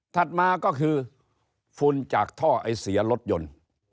ถัดมาก็คือฝุ่นจากท่อไอเสียรถยนต์